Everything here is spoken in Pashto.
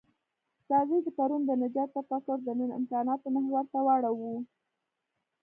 راځئ د پرون د نجات تفکر د نن امکاناتو محور ته راوړوو.